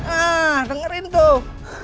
ah dengerin tuh